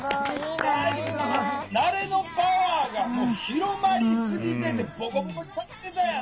「慣れのパワー」が広まりすぎててボコボコにされてたやん。